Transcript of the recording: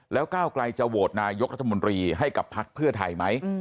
แล้วก้าวไกลจะโหวตนายกรัฐมนตรีให้กับพักเพื่อไทยไหม